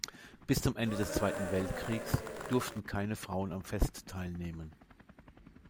Bis zum Ende des Zweiten Weltkriegs durften keine Frauen am Fest teilnehmen.